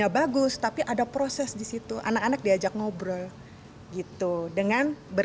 come bisa sebagian dari untuk merefleksi peraa kata dicen siguiente